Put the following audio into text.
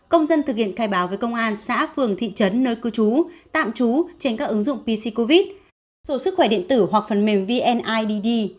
công dân thực hiện khai báo với công an xã phường thị trấn nơi cư trú tạm trú trên các ứng dụng pc covid số sức khỏe điện tử hoặc phần mềm vneidd